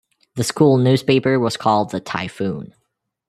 The school newspaper was called the "Typhoon".